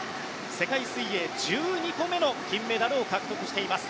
世界水泳１２個目の金メダルを獲得しています。